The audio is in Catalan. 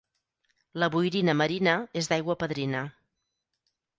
La boirina marina és d'aigua padrina.